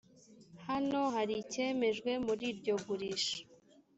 hano hari icyemejwe muri iryo gurisha